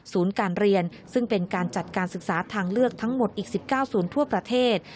การเรียนซึ่งเป็นการจัดการศึกษาทางเลือกทั้งหมดอีก๑๙ศูนย์ทั่วประเทศ